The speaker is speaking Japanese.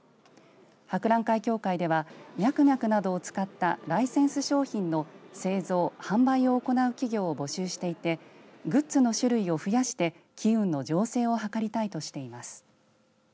博覧会協会ではミャクミャクなどを使ったライセンス商品の製造、販売を行う企業を募集していてグッズの種類を増やして機運の醸成を図りたいとしています。